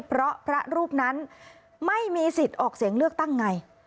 เพราะพระรูปนั้นไม่มีสิทธิ์ออกเสียงเลือกตั้งไง